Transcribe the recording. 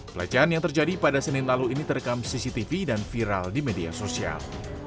pelecehan yang terjadi pada senin lalu ini terekam cctv dan viral di media sosial